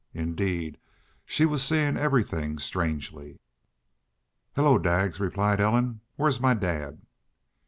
Indeed, she was seeing everything strangely. "Hello, Daggs!" replied Ellen. "Where's my dad?"